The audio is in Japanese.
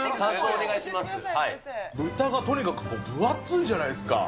豚がとにかく分厚いじゃないですか。